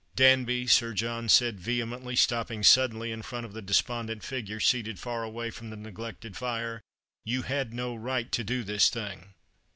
"Danby," Sir John said vehemently, stopping suddenly in front of the despondent figure seated far away from the neglected fire, " you had no right to do this thing."